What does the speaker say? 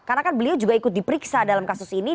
karena kan beliau juga ikut diperiksa dalam kasus ini